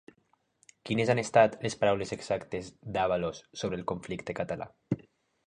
Quines han estat les paraules exactes d'Ábalos sobre el conflicte català?